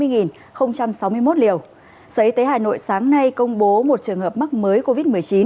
giới tế hà nội sáng nay công bố một trường hợp mắc mới covid một mươi chín